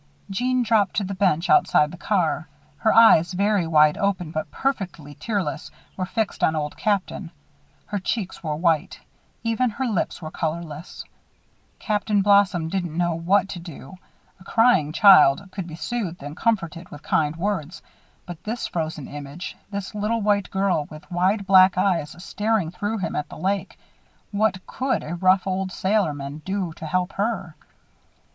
Jeanne dropped to the bench outside the car. Her eyes, very wide open but perfectly tearless, were fixed on Old Captain. Her cheeks were white. Even her lips were colorless. Captain Blossom didn't know what to do. A crying child could be soothed and comforted with kind words; but this frozen image this little white girl with wide black eyes staring through him at the lake what could a rough old sailorman do to help her?